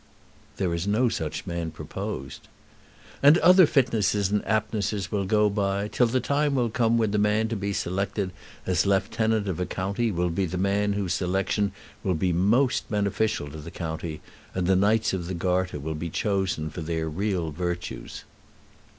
"There is no such man proposed." "And other fitnesses and aptnesses will go by, till the time will come when the man to be selected as Lieutenant of a county will be the man whose selection will be most beneficial to the county, and Knights of the Garter will be chosen for their real virtues."